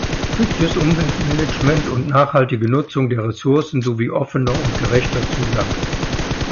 Striktes Umweltmanagement und nachhaltige Nutzung der Ressourcen sowie offener und gerechter Zugang.